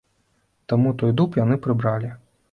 Таму той дуб яны прыбралі.